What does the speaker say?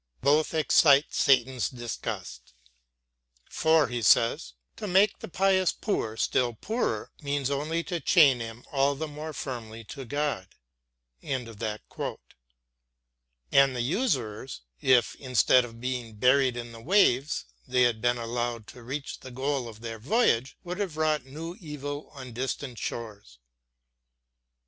Both excite Satan's disgust. "For," he says, "to make the pious poor still poorer means only to chain him all the more firmly to God"; and the usurers, if, instead of being buried in the waves, they had been allowed to reach the goal of their voyage, would have wrought new evil on distant shores.